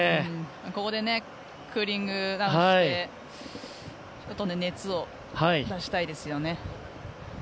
ここでクーリングダウンして熱を出したいですよね。